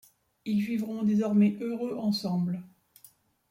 Ils vivront désormais heureux ensemble.